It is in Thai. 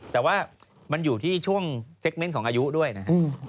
แต่ว่ามันอยู่ที่ช่วงเซคเมนต์ของอายุด้วยนะครับ